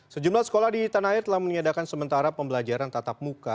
sejumlah sekolah di tanahir telah menyediakan sementara pembelajaran tatap muka